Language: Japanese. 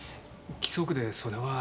規則でそれは。